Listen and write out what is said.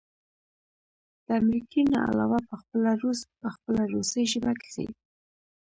د امريکې نه علاوه پخپله روس په خپله روسۍ ژبه کښې